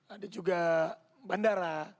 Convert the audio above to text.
ada juga bandara